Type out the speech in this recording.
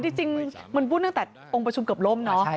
จริงมันวุ่นตั้งแต่องค์ประชุมเกือบล่มเนาะ